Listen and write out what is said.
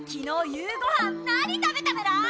夕ごはん何食べたメラ？